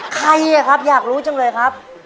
ใครครับอยากรู้จังเลยครับ